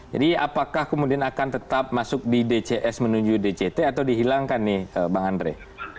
jadi apakah kemudian akan tetap masuk di dcs menuju dct atau dihilangkan nih bang andre